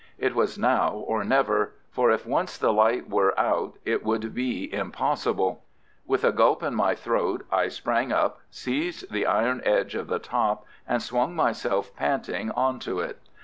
It was now or never, for if once the light were out it would be impossible. With a gulp in my throat I sprang up, seized the iron edge of the top, and swung myself panting on to it.